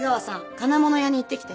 金物屋に行ってきて。